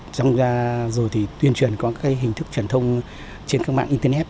trong đó rồi thì tuyên truyền có các hình thức truyền thông trên các mạng internet